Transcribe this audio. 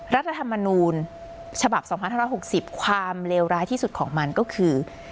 รัฐธรรมนูญฉบับ๒๕๖๐ความเลวร้ายที่สุดของมันก็คือ